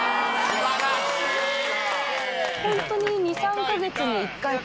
ホントに。と！